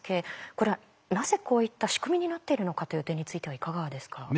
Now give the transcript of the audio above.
これはなぜこういった仕組みになっているのかという点についてはいかがですか？